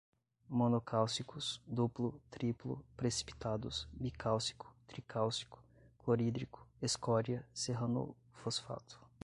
monocálcicos, duplo, triplo, precipitados, bicálcico, tricálcico, clorídrico, escória, serranofosfato